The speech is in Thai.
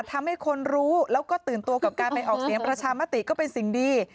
ทำให้คนรู้แล้วก็ตื่นตัวกับการไปออกเสียงประชามติก็เป็นสิ่งดี